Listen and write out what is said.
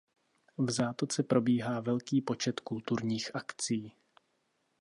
V zátoce probíhá velký počet kulturních akcí.